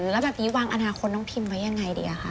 แล้วแบบนี้วางอนาคตน้องพิมไว้ยังไงดีอะคะ